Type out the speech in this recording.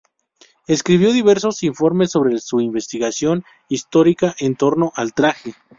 Escribió diversos informes sobre su investigación histórica en torno al traje.